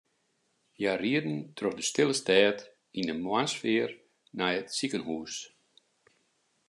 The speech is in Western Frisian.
Hja rieden troch de stille stêd yn moarnssfear nei it sikehûs.